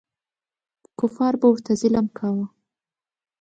کفار به ورته ظلم کاوه.